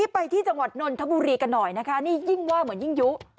ไปที่จังหวัดนนทบุรีกันหน่อยนะคะนี่ยิ่งว่าเหมือนยิ่งยุ